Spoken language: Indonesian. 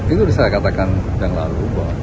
itu bisa saya katakan sejak lalu